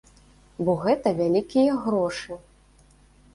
Бо гэта вялікія грошы.